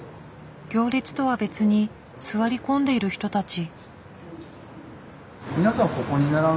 行列とは別に座り込んでいる人たち。